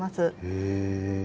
へえ。